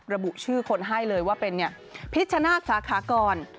ระบุชื่อคนให้เลยว่าเป็นพิชชนาศสาขากร